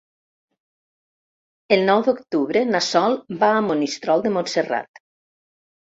El nou d'octubre na Sol va a Monistrol de Montserrat.